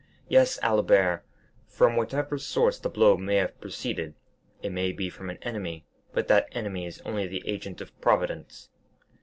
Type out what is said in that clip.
Yes, Albert, from whatever source the blow may have proceeded—it may be from an enemy, but that enemy is only the agent of Providence."